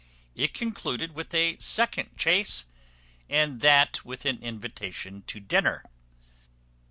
It concluded with a second chace, and that with an invitation to dinner.